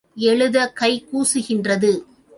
எழுதக் கை கூசுகின்றது.